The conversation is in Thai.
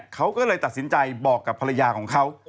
เขาก็เลยตัดสินใจบอกกับภรรยาของเขา